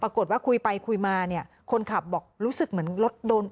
คุยไปคุยมาเนี่ยคนขับบอกรู้สึกเหมือนรถโดน